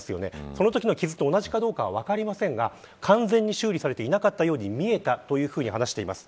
そのときの傷と同じかどうかは分かりませんが完全に修理されていなかったように見えたと話しています。